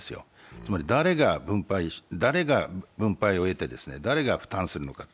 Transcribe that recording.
つまり誰が分配を得て誰が負担するのかと。